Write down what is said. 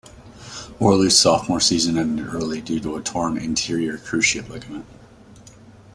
Worley's sophomore season ended early due to a torn anterior cruciate ligament.